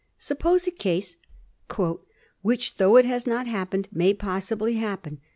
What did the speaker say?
Suppose a case *^ which, though it has not happened, may possibly happen.